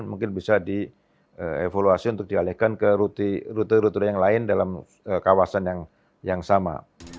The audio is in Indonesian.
mungkin bisa dievaluasi untuk dialihkan ke rute rute yang lain dalam kawasan yang sama